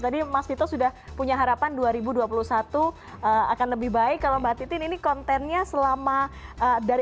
tadi mas vito sudah punya harapan dua ribu dua puluh satu akan lebih baik kalau mbak titin ini kontennya selama dari